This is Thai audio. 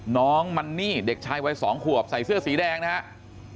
น้องมันนี่เด็กชายวัย๒ขวบใส่เสื้อสีแดงนะครับ